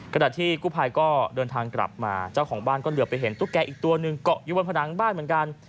ขณะที่กู้ภัยก็เดินทางกลับมาเจ้าของบ้านก็เหลือไปเห็นตุ๊กแกอีกตัวหนึ่งเกาะอยู่บนผนังบ้านเหมือนกัน